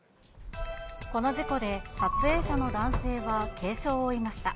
この事故で、撮影者の男性は軽傷を負いました。